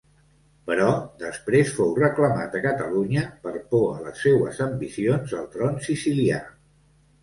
Però, després, fou reclamat a Catalunya per por a les seues ambicions al tron sicilià.